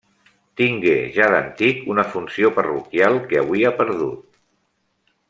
Tingué ja d'antic una funció parroquial que avui ha perdut.